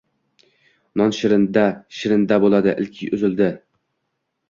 Non shirindan-da shirin bo‘ldi. Ilik uzildi!